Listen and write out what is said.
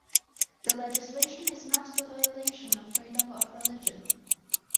The legislation is not the violation of freedom of religion.